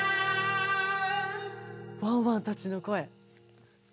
ワンワンたちのこえ。